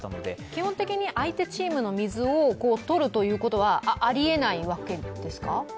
基本的に相手チームの水を取るということはあり得ないわけですか？